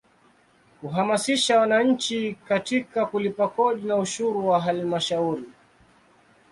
Kuhamasisha wananchi katika kulipa kodi na ushuru wa Halmashauri.